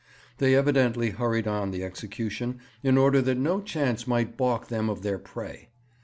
They evidently hurried on the execution in order that no chance might baulk them of their prey.